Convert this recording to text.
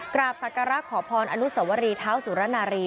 กราบศักระขอพรอนุสวรีเท้าสุรนารี